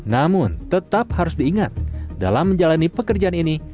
namun tetap harus diingat dalam menjalani pekerjaan ini